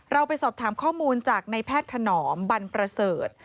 เราไปสอบถามข้อมูลจากในแพทย์ถนอมบันประเสริฐ